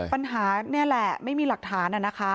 ปัญหานี่แหละว่าไม่มีหลักฐาน